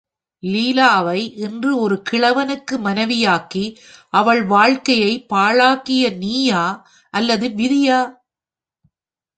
லீலாவை இன்று ஒரு கிழவனுக்கு மனைவியாக்கி அவள் வாழ்க்கையைப் பாழாக்கியது நீயா அல்லது விதியா?